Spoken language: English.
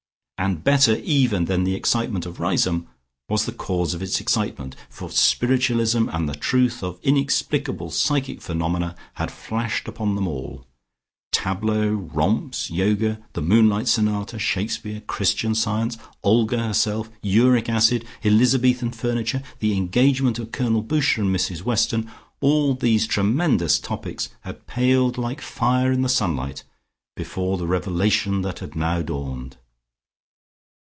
And better even than the excitement of Riseholme was the cause of its excitement, for spiritualism and the truth of inexplicable psychic phenomena had flashed upon them all. Tableaux, romps, Yoga, the Moonlight Sonata, Shakespeare, Christian Science, Olga herself, Uric Acid, Elizabethan furniture, the engagement of Colonel Boucher and Mrs Weston, all these tremendous topics had paled like fire in the sunlight before the revelation that had now dawned.